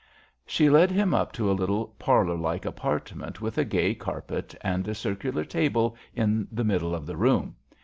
She led him up to a little, parlour like apartment, with a gay carpet, and a circular table in the middle of the room.